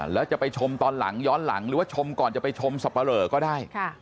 แล้วจะไปชมตอนหลังย้อนหลังหรือว่าชมก่อนจะไปชมสับปะเหลอก็ได้